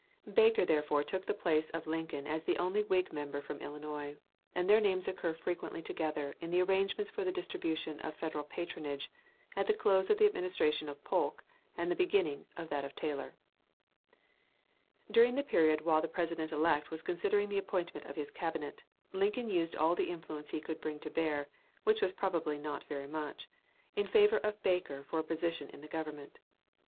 Baker therefore took the place of Lincoln as the only Whig member from Illinois, and their names occur frequently together in the arrangements for the distribution of "Federal patronage" at the close of the Administration of Polk and the beginning of that of Taylor. [Sidenote: MS letter from Lincoln to Schooler. Feb. 2, 1869.] During the period while the President elect was considering the appointment of his Cabinet, Lincoln used all the influence he could bring to bear, which was probably not very much, in favor of Baker for a place in the Government.